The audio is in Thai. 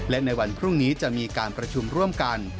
และในวันพรุ่งนี้จะมีการประชุมร่วมกัน